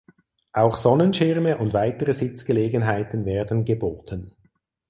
Auch Sonnenschirme und weitere Sitzgelegenheiten werden geboten.